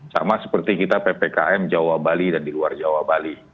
sama seperti kita ppkm jawa bali dan di luar jawa bali